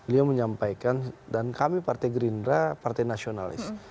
beliau menyampaikan dan kami partai gerindra partai nasionalis